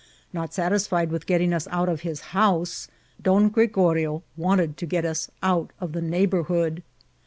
Not satisfied with getting us out of his house, Don Oregorio wanted to get us out of the neighbour* hood.